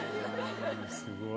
すごい。